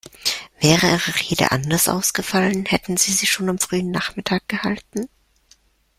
Wäre Ihre Rede anders ausgefallen, hätten Sie sie schon am frühen Nachmittag gehalten?